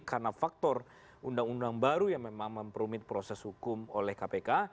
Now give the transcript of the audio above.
karena faktor undang undang baru yang memang memperumit proses hukum oleh kpk